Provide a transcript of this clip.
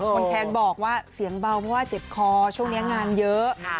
คนแทนบอกว่าเสียงเบาเพราะว่าเจ็บคอช่วงนี้งานเยอะ